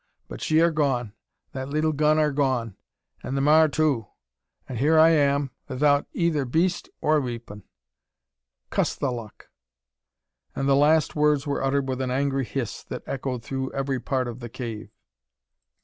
But she are gone; that leetle gun are gone; an' the mar too; an' hyur I am 'ithout eyther beast or weepun; cuss the luck!" And the last words were uttered with an angry hiss, that echoed through every part of the cave.